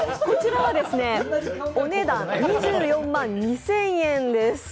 こちらはお値段、２４万２０００円です。